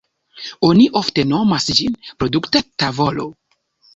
Oni ofte nomas ĝin produkta tavolo.